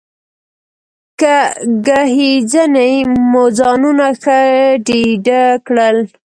ګهیځنۍ مو ځانونه ښه ډېډه کړل.